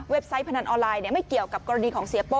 ไซต์พนันออนไลน์ไม่เกี่ยวกับกรณีของเสียโป้